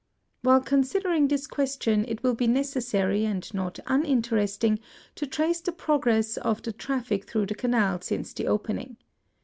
While considering this question, it will be necessary and not uninteresting to trace the progress of the traJB&c through the Canal since the opening.